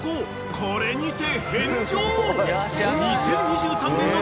これにて返上］